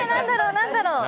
何だろう？